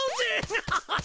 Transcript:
アハハハハ！